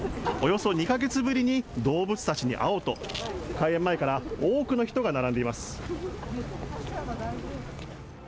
およそ２か月ぶりに動物たちに会おうと開園前から多くの人が並んでいます。